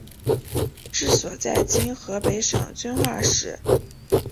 治所在今河北省遵化市。